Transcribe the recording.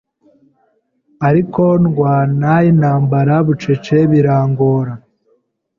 ariko ndwana intambara bucece birangora